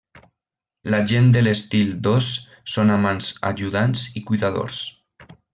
La gent de l'estil dos són amants, ajudants i cuidadors.